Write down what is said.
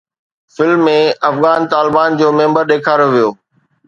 film ۾ افغان طالبان جو ميمبر ڏيکاريو ويو